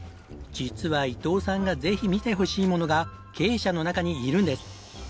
実は伊藤さんがぜひ見てほしいものが鶏舎の中にいるんです。